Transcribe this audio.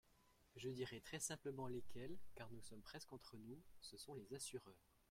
Je dirai très simplement lesquels, car nous sommes presque entre nous : ce sont les assureurs.